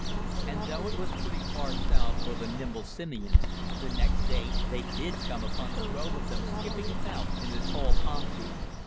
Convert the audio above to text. And though it was pretty far south for the nimble simians, the next day they did come upon a drove of them skipping about in the tall palm trees.